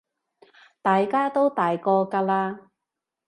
大家都大個㗎喇